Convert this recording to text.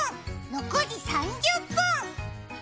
６時３０分！